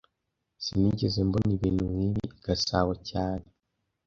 Sinigeze mbona ibintu nkibi i Gasabo cyane